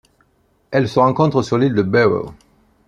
Elle se rencontre sur l'île de Barrow.